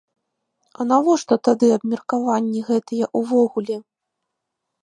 А навошта тады абмеркаванні гэтыя ўвогуле?